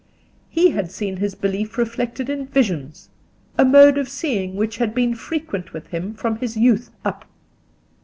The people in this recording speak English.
He had seen his belief reflected in visions—a mode of seeing which had been frequent with him from his youth up.